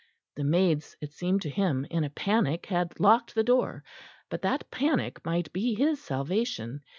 The maids, it seemed to him, in a panic had locked the door; but that panic might be his salvation.